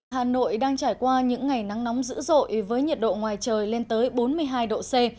hà nội đang trải qua những ngày nắng nóng dữ dội với nhiệt độ ngoài trời lên tới bốn mươi hai độ c